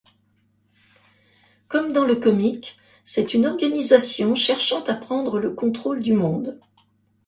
Comme dans le comic, c'est une organisation cherchant à prendre le contrôle du monde.